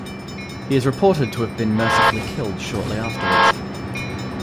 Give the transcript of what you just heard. He is reported to have been mercifully killed shortly afterwards.